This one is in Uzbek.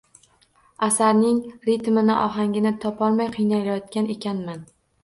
Asarning ritmini, ohangini topolmay qiynalayotgan ekanman